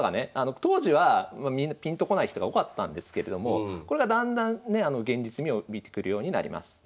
当時はピンとこない人が多かったんですけれどもこれがだんだんね現実味を帯びてくるようになります。